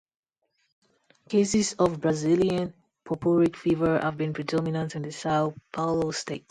Cases of Brazilian Purpuric Fever have been predominant in the Sao Paulo state.